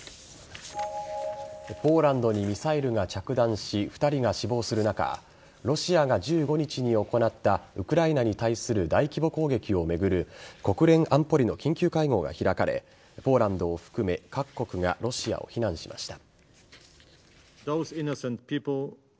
ポーランドにミサイルが着弾し２人が死亡する中ロシアが１５日に行ったウクライナに対する大規模攻撃を巡る国連安保理の緊急会合が開かれポーランドを含め各国がロシアを非難しました。